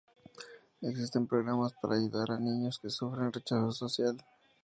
Existen programas para ayudar a niños que sufren rechazo social.